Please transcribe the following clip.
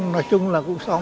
nói chung là cũng xong